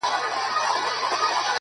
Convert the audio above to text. ه ياره کندهار نه پرېږدم~